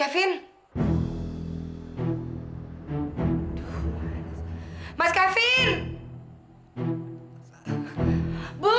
terima kasih mbak